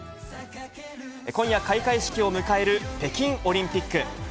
今夜、開会式を迎える北京オリンピック。